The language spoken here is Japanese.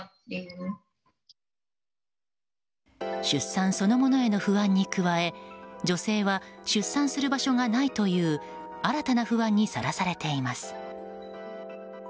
出産そのものへの不安に加え女性は出産する場所がないという新たな不安にさらされています。